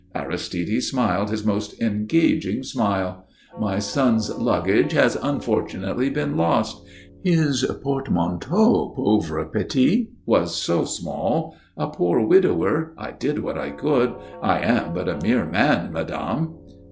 Aristide smiled his most engaging smile. "My son's luggage has unfortunately been lost. His portmanteau, pauvre petit, was so small. A poor widower, I did what I could. I am but a mere man, madame."